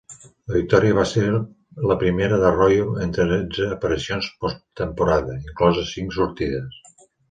La victòria va ser la primera d'Arroyo en tretze aparicions posttemporada, inloses cinc sortides.